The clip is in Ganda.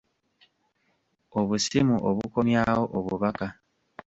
Obusimu obukomyawo obubaka.